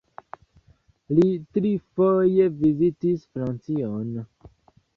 Li trifoje vizitis Francion.